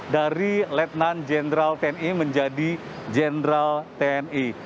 dari lieutenant general tni menjadi general tni